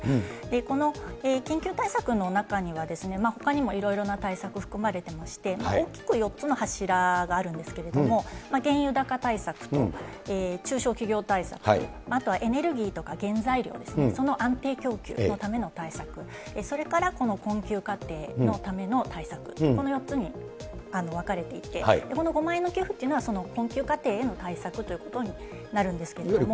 この緊急対策の中には、ほかにもいろいろな対策含まれてまして、大きく４つの柱があるんですけれども、原油高対策と、中小企業対策と、あとはエネルギーとか原材料ですね、その安定供給のための対策、それからこの困窮家庭のための対策、この４つに分かれていて、この５万円の給付というのは、その困窮家庭への対策ということになるんですけれども。